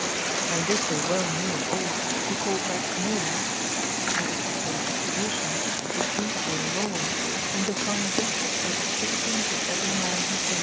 And this they well knew of old, who called that Nomos, (that is to say, Distribution,) which we call Law; and defined Justice, by distributing to every man his own.